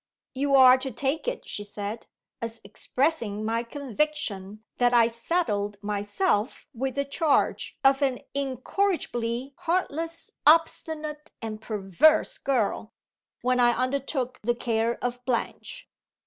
"You are to take it," she said, "as expressing my conviction that I saddled myself with the charge of an incorrigibly heartless, obstinate and perverse girl, when I undertook the care of Blanche."